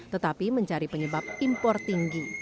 tetapi mencari penyebab impor tinggi